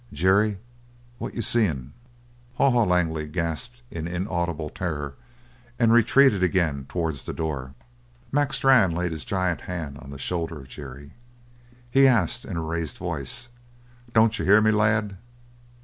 "Jerry, what you seein'?" Haw Haw Langley gasped in inaudible terror and retreated again towards the door. Mac Strann laid his giant hand on the shoulder of Jerry. He asked in a raised voice: "Don't you hear me, lad?"